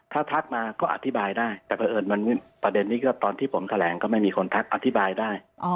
ถ้าทักมาก็อธิบายได้แต่เพราะเอิญประเด็นนี้ก็ตอนที่ผมแถลงก็ไม่มีคนทักอธิบายได้